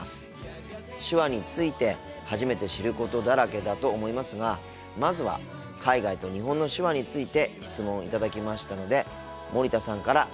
手話について初めて知ることだらけだと思いますがまずは海外と日本の手話について質問を頂きましたので森田さんから説明していただきたいと思います。